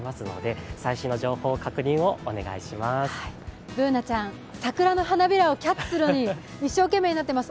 Ｂｏｏｎａちゃん、桜の花びらをキャッチするのに一生懸命になっています。